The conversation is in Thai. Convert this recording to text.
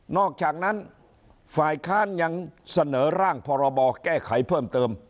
อกจากนั้นฝ่ายค้านยังเสนอร่างพรบแก้ไขเพิ่มเติม